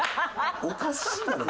おかしいだろ？